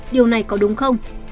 điều này có đúng không